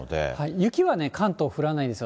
雪は関東降らないんですよ。